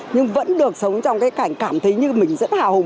nhưng vẫn được sống trong cái cảnh cảm thấy như mình rất hào hùng